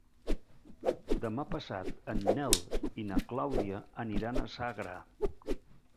Demà passat en Nel i na Clàudia aniran a Sagra.